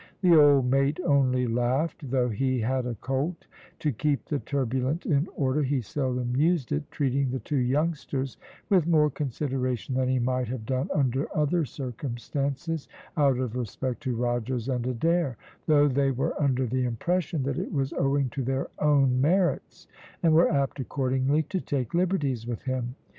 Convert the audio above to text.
The old mate only laughed; though he had a colt, to keep the turbulent in order, he seldom used it, treating the two youngsters with more consideration than he might have done under other circumstances, out of respect to Rogers and Adair, though they were under the impression that it was owing to their own merits, and were apt accordingly to take liberties with him.